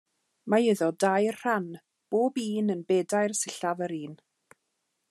Mae iddo dair rhan, pob un yn bedair sillaf yr un.